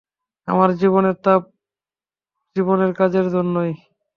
আমার জীবনের তাপ জীবনের কাজের জন্যেই।